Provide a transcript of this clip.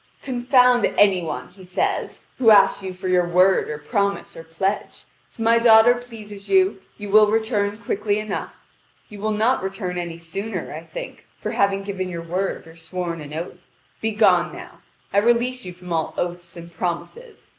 "Confound any one," he says, "who asks you for your word or promise or pledge. If my daughter pleases you, you will return quickly enough. You will not return any sooner. I think, for having given your word or sworn an oath. Begone now. I release you from all oaths and promises.